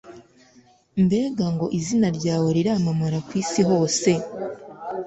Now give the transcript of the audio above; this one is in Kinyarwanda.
mbega ngo izina ryawe riramamara ku isi hose